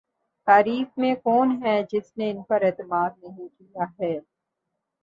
تاریخ میں کون ہے جس نے ان پر اعتماد نہیں کیا ہے۔